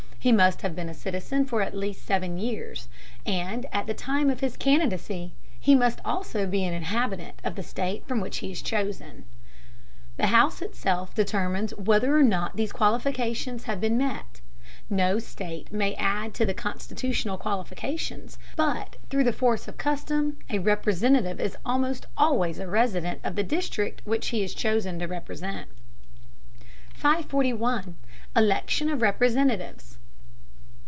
He must have been a citizen for at least seven years, and at the time of his candidacy must also be an inhabitant of the state from which he is chosen. The House itself determines whether or not these qualifications have been met. No state may add to the constitutional qualifications, but through the force of custom a Representative is almost always a resident of the district which he is chosen to represent. 541. ELECTION OF REPRESENTATIVES.